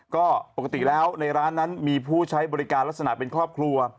ก็ปกติแล้วในร้านนั้นมีผู้ใช้บริการลักษณะเป็นครอบครัว